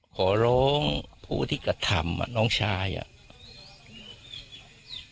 ขอร้องผู้ที่กระทำอ่ะน้องชายอ่ะ